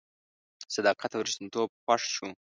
صداقت او ریښتینتوب خوښ شو.